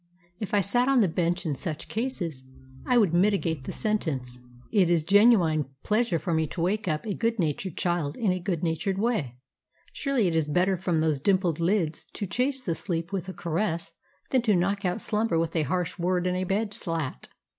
If I sat on the bench in such cases I would mitigate the sentence. It is a genuine pleasure for me to wake up a good natured child in a good natured way. Surely it is better from those dimpled lids to chase the sleep with a caress than to knock out slumber with a harsh word and a bed slat.